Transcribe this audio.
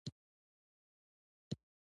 خاوره د افغانستان د صنعت لپاره مواد برابروي.